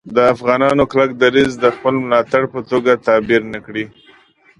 د افغانانو کلک دریځ د خپل ملاتړ په توګه تعبیر نه کړي